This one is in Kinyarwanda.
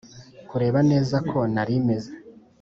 kureba neza ko nari meze